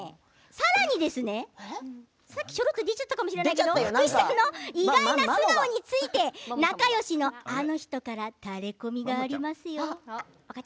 さらに、さっきちょっと出ちゃったかもしれないけど福士さんの意外な素顔について仲よしのあの人からタレコミがありますよ。